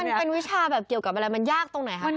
มันเป็นวิชาแบบเกี่ยวกับอะไรมันยากตัวไหนค่ะ